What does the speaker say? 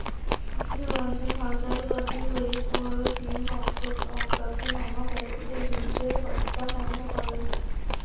সুশীল রঞ্জন হালদার বাদী হয়ে পরদিন অজ্ঞাতনামা ব্যক্তিদের বিরুদ্ধে হত্যা মামলা করেন।